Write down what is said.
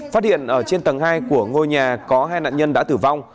phát hiện ở trên tầng hai của ngôi nhà có hai nạn nhân đã tử vong